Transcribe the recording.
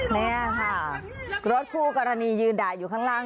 นี่ค่ะรถคู่กรณียืนด่าอยู่ข้างล่าง